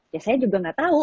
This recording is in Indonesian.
ya saya juga nggak tahu